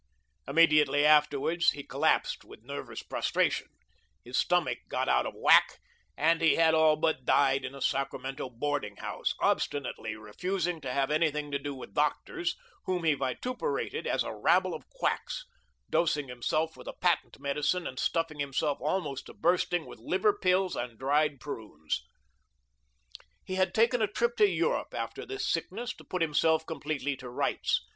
Immediately afterwards, he collapsed with nervous prostration; his stomach "got out of whack," and he all but died in a Sacramento boarding house, obstinately refusing to have anything to do with doctors, whom he vituperated as a rabble of quacks, dosing himself with a patent medicine and stuffing himself almost to bursting with liver pills and dried prunes. He had taken a trip to Europe after this sickness to put himself completely to rights.